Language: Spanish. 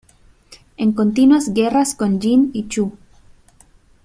En continuas guerras con Jin y Chu.